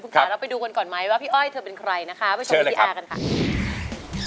ก่อนเข้าเพลงการแข่งขันนะกดกดถึงโทรไป